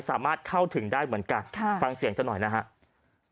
สามารถเข้าถึงได้เหมือนกันฟังเสียงเธอหน่อยนะครับ